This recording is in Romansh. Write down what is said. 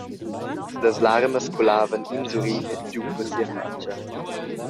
Las larmas culavan insurin giu per sia fatscha.